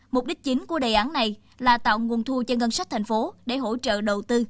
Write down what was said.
mục đích chính của đề án này là tạo nguồn thu cho ngân sách thành phố để hỗ trợ đầu tư